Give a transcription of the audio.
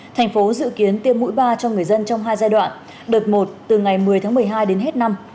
thành phố dự kiến tiêm mũi ba cho người dân trong hai giai đoạn đợt một từ ngày một mươi tháng một mươi hai đến hết năm